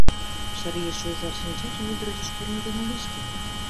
Шырийыше ужар шинчажым ӱдыр деч кораҥден огеш керт.